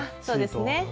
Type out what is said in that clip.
そうですね。